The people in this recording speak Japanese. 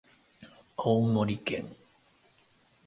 青森県七戸町